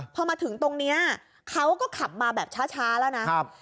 พอมาถึงตรงนี้เขาก็ขับมาแบบช้าแล้วนะ